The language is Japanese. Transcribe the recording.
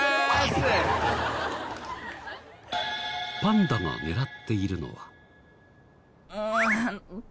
パンダが狙っているのは。